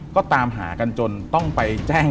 ก็ตามหากันจนต้องไปแจ้ง